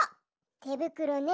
てぶくろねえ。